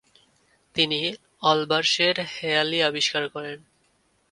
তিনি অলবার্সের হেঁয়ালি আবিষ্কার করেন।